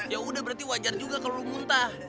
yaudah berarti wajar juga kalo lu muntah